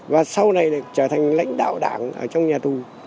và sau này trở thành lãnh đạo đảng trong nhà tù